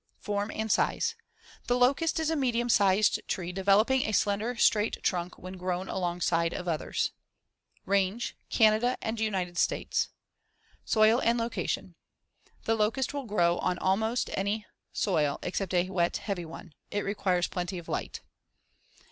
Form and size: The locust is a medium sized tree developing a slender straight trunk when grown alongside of others; see Fig. 82. Range: Canada and United States. Soil and location: The locust will grow on almost any soil except a wet, heavy one. It requires plenty of light.